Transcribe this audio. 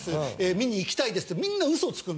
「見に行きたいです」ってみんなウソをつくんですよ。